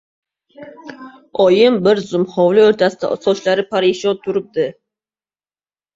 Oyim bir zum hovli o‘rtasida sochlari parishon turib qoldi.